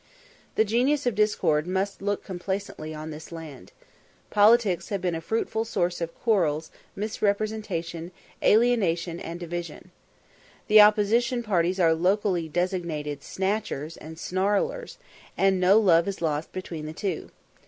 The genius of Discord must look complacently on this land. Politics have been a fruitful source of quarrels, misrepresentation, alienation, and division. The opposition parties are locally designated "snatchers" and "snarlers," and no love is lost between the two.